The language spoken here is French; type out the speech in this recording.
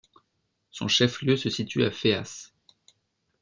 Son chef-lieu se situe à Féas.